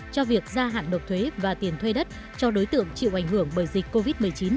cho việc gia hạn độc thuế và tiền thuê đất cho đối tượng chịu ảnh hưởng bởi dịch covid một mươi chín